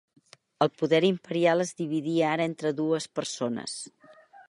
El poder imperial es dividia ara entre dues persones.